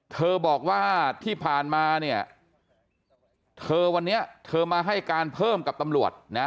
เธอบอกว่าที่ผ่านมาเนี่ยเธอวันนี้เธอมาให้การเพิ่มกับตำรวจนะ